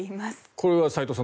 これは斎藤さん